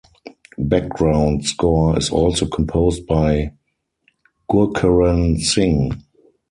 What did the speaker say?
Background score is also composed by Gurcharan Singh.